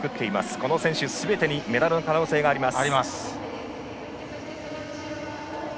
この選手すべてにメダルの可能性があります。